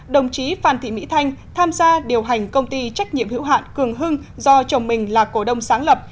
đồng chí phan thị mỹ thanh tham gia điều hành công ty trách nhiệm hữu hạn cường hưng do chồng mình là cổ đông sáng lập